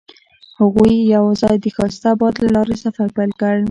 هغوی یوځای د ښایسته باد له لارې سفر پیل کړ.